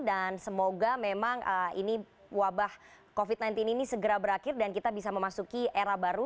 dan semoga memang ini wabah covid sembilan belas ini segera berakhir dan kita bisa memasuki era baru